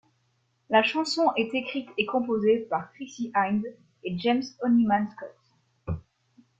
La chanson est écrite et composée par Chrissie Hynde et James Honeyman-Scott.